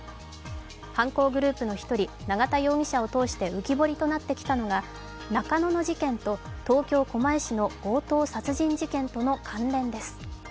犯行グループの１人、永田容疑者を通じて浮き彫りとなってきたのが中野の事件と東京・狛江市の強盗殺人事件との関連です。